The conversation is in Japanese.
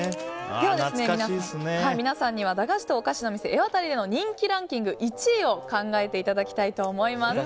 では皆さんには駄菓子とおかしのみせエワタリ人気ランキング１位を考えていただきたいと思います。